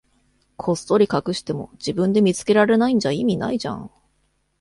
こっそり隠しても、自分で見つけられないんじゃ意味ないじゃん。